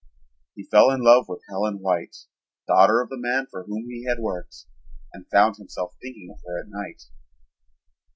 He fell in love with Helen White, daughter of the man for whom he had worked, and found himself thinking of her at night.